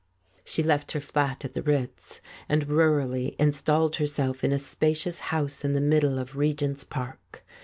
She left her flat at the Ritz and rurally installed herself in a spacious house in the middle of Regent's Park.